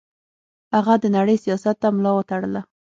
هغه د نړۍ سیاحت ته ملا وتړله.